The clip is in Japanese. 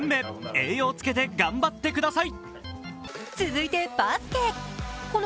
栄養つけて頑張ってください。